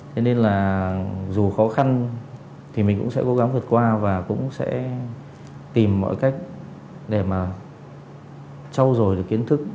thế nên là dù khó khăn thì mình cũng sẽ cố gắng vượt qua và cũng sẽ tìm mọi cách để mà trao dồi được kiến thức